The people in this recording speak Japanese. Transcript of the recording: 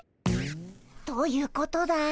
どういうことだい？